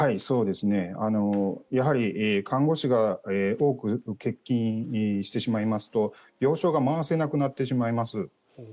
やはり看護師が多く欠勤してしまいますと病床が回せなくなってしまいます。